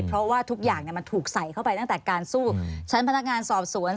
เพราะว่าทุกอย่างมันถูกใส่เข้าไปตั้งแต่การสู้ชั้นพนักงานสอบสวน